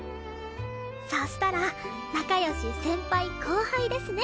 そしたら仲良し先輩後輩ですね！